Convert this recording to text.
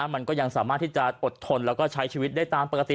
มันก็ยังสามารถที่จะอดทนแล้วก็ใช้ชีวิตได้ตามปกติ